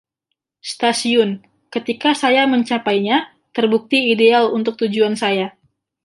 Stasiun, ketika saya mencapainya, terbukti ideal untuk tujuan saya.